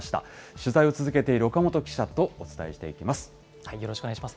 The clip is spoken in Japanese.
取材を続けている岡本記者とお伝よろしくお願いします。